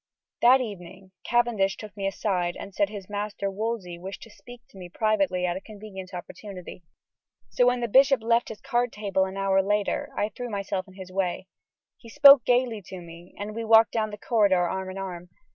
That evening Cavendish took me aside and said his master, Wolsey, wished to speak to me privately at a convenient opportunity. So, when the bishop left his card table, an hour later, I threw myself in his way. He spoke gayly to me, and we walked down the corridor arm in arm.